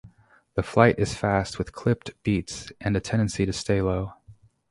The flight is fast with clipped beats and a tendency to stay low.